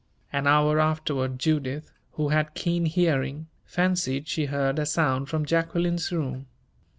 An hour afterward Judith, who had keen hearing, fancied she heard a sound from Jacqueline's room.